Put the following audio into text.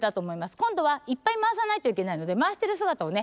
今度はいっぱい回さないといけないので回してる姿をね